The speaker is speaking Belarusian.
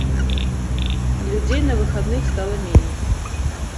Людзей на выходных стала меней.